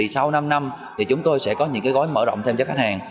sau năm năm chúng tôi sẽ có những gói mở rộng thêm cho khách hàng